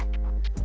sebanyak dua kali